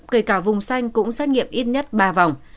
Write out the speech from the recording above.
kể cả vùng xanh cũng xét nghiệm ít nhất ba vòng